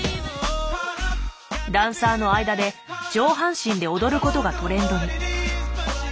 ダンサーの間で上半身で踊ることがトレンドに。